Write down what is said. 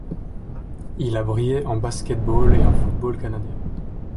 Il a brillé en basketball et en football canadien.